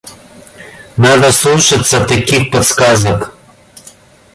Надо слушаться таких подсказок.